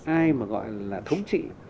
ai mà gọi là thống trị